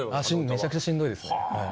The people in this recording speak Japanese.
めちゃくちゃしんどいです。